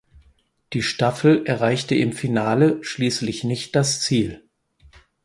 Die Staffel erreichte im Finale schließlich nicht das Ziel.